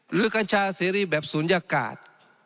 กัญชาเสรีแบบศูนยากาศ